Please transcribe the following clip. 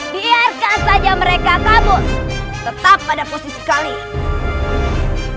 biarkan saja mereka kabur tetap pada posisi kami